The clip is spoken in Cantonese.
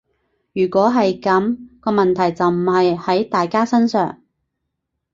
如果係噉，個問題就唔係喺大家身上